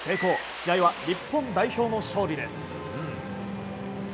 試合は日本代表の勝利です。